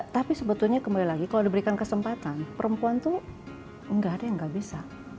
tapi sebetulnya kembali lagi kalau diberikan kesempatan perempuan tuh nggak ada yang nggak bisa